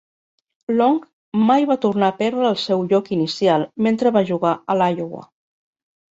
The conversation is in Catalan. Long mai va tornar a perdre el seu lloc inicial mentre va jugar a l'Iowa.